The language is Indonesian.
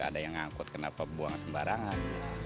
ada yang ngangkut kenapa buang sembarangan